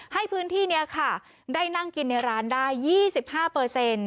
ให้พื้นที่เนี่ยค่ะได้นั่งกินในร้านได้ยี่สิบห้าเปอร์เซ็นต์